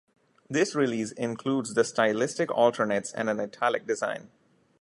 This release includes the stylistic alternates and an italic design.